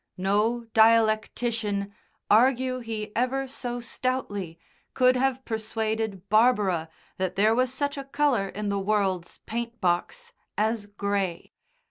No dialectician, argue he ever so stoutly, could have persuaded Barbara that there was such a colour in the world's paint box as grey.